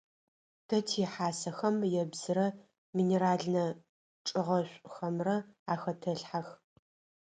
Тэ тихьасэхэм ебзырэ минеральнэ чӏыгъэшӏухэмрэ ахэтэлъхьэх.